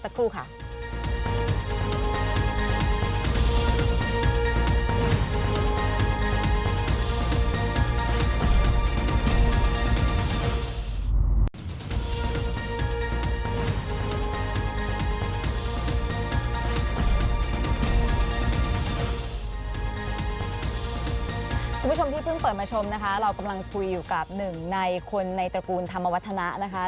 คุณผู้ชมที่เพิ่งเปิดมาชมนะคะเรากำลังคุยอยู่กับหนึ่งในคนในตระกูลธรรมวัฒนะนะคะ